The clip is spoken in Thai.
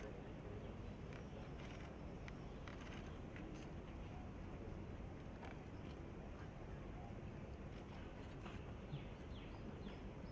อันที่สุดท้ายก็คืออันที่สุดท้ายก็คืออั